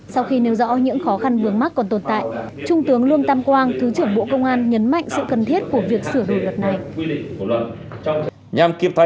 sau khi nêu rõ những khó khăn vướng mắt còn tồn tại trung tướng lương tam quang thứ trưởng bộ công an nhấn mạnh sự cần thiết của việc sửa đổi luật này